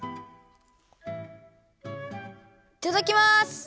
いただきます！